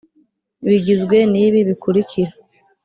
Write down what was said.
Bigizwe n ibi bikurikira